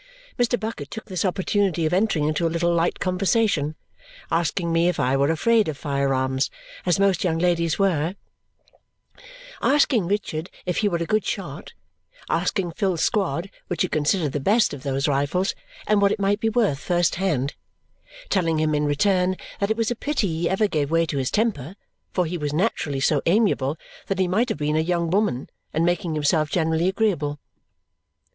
Mr. Bucket took this opportunity of entering into a little light conversation, asking me if I were afraid of fire arms, as most young ladies were; asking Richard if he were a good shot; asking Phil Squod which he considered the best of those rifles and what it might be worth first hand, telling him in return that it was a pity he ever gave way to his temper, for he was naturally so amiable that he might have been a young woman, and making himself generally agreeable.